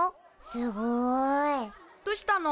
すごい。どしたの？